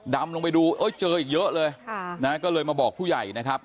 ดำลงไปดูเอ้ยเจออีกเยอะเลยก็เลยมาบอกผู้ใหญ่นะครับ